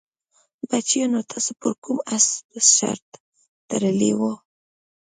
بچیانو تاسې پر کوم اس شرط تړلی وو؟